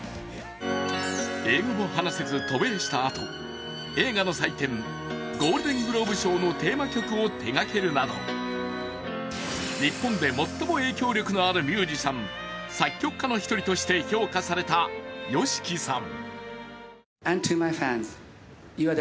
英語も話せず渡米したあと映画の祭典、ゴールデングローブ賞のテーマ曲を手がけるなど日本で最も影響力のあるミュージシャン、作曲家の１人として評価されたＹＯＳＨＩＫＩさん。